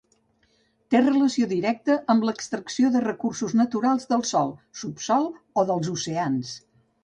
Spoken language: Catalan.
Té relació directa amb l'extracció de recursos naturals del sòl, subsòl o dels oceans.